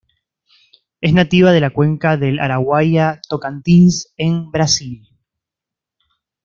Es nativa de la cuenca del Araguaia-Tocantins en Brasil.